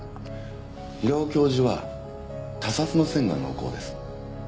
平尾教授は他殺の線が濃厚です。